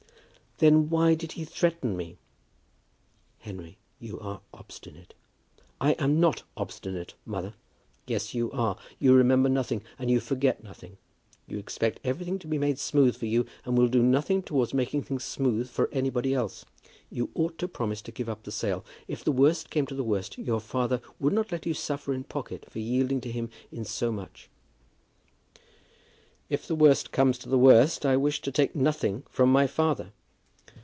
"Then why did he threaten me?" "Henry, you are obstinate." "I am not obstinate, mother." "Yes, you are. You remember nothing, and you forget nothing. You expect everything to be made smooth for you, and will do nothing towards making things smooth for anybody else. You ought to promise to give up the sale. If the worst came to the worst, your father would not let you suffer in pocket for yielding to him in so much." "If the worst comes to the worst, I wish to take nothing from my father."